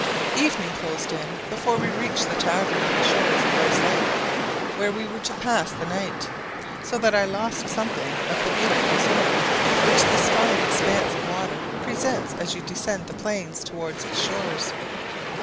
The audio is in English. Evening closed in before we reached the tavern on the shores of the Rice Lake, where we were to pass the night; so that I lost something of the beautiful scenery which this fine expanse of water presents as you descend the plains towards its shores.